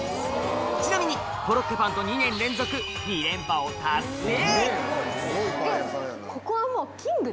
ちなみにコロッケパンと２年連続２連覇を達成